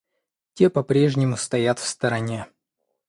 Те по-прежнему стоят в стороне.